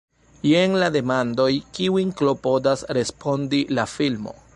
Jen la demandoj kiujn klopodas respondi la filmo.